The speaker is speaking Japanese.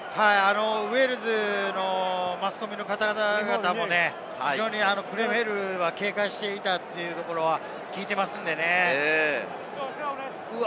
ウェールズのマスコミの方々もクレメールを警戒していたということを聞いています。